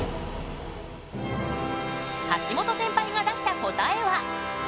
橋本センパイが出した答えは。